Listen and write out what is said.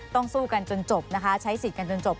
สู้กันจนจบนะคะใช้สิทธิ์กันจนจบ